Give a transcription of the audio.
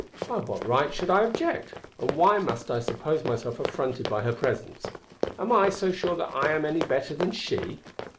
"By what right should I object? and why must I suppose myself affronted by her presence? am I so sure that I am any better than she?"